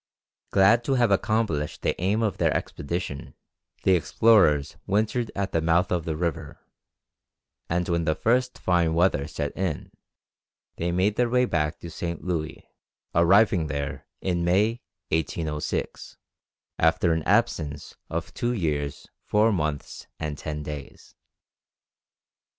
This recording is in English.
Glad to have accomplished the aim of their expedition, the explorers wintered at the mouth of the river, and when the fine weather set in they made their way back to St. Louis, arriving there in May, 1806, after an absence of two years, four months, and ten days.